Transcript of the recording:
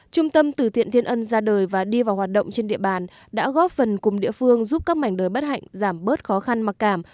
trung tâm tử thiện thiên ân ra đời và đi vào hoạt động trên địa bàn đã góp phần cùng địa phương giúp các mảnh đời bất hạnh giảm bớt khó khăn mặc cảm